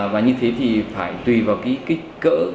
và như thế thì phải tùy vào cái kích cỡ